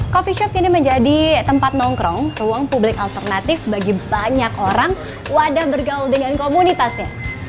coffee shop kini menjadi tempat nongkrong ruang publik alternatif bagi banyak orang wadah bergaul dengan komunitasnya